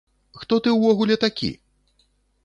Хто ты ўвогуле такі?!